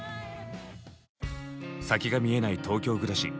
先が見えない東京暮らし。